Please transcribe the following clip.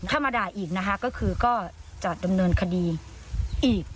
ถ้ามาด่าอีกนะคะก็คือก็จะดำเนินคดีอีก